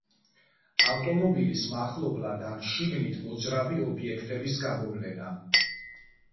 ავტომობილის მახლობლად ან შიგნით მოძრავი ობიექტების გამოვლენა.